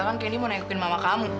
padahal candy mau nengokin mama kamu